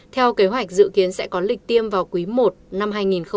theo kế hoạch dự kiến sẽ có lịch tiêm vào quý i năm hai nghìn hai mươi